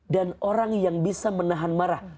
orang yang bisa menahan marah